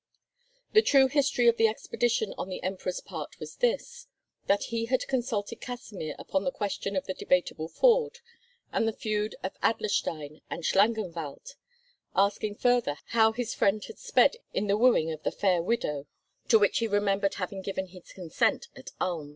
The true history of this expedition on the Emperor's part was this—that he had consulted Kasimir upon the question of the Debateable Ford and the feud of Adlerstein and Schlangenwald, asking further how his friend had sped in the wooing of the fair widow, to which he remembered having given his consent at Ulm.